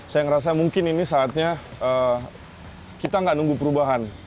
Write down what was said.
saya merasa mungkin ini saatnya kita tidak menunggu perubahan